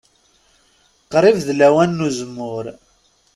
Qrib d lawan n uzemmur.